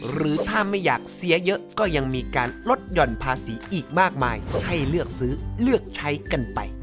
หรือถ้าไม่อยากเสียเยอะก็ยังมีการลดหย่อนภาษีอีกมากมายให้เลือกซื้อเลือกใช้กันไป